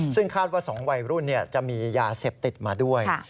ซึ่งคาดว่า๒วัยรุ่นจะมียาเสพติดมาด้วย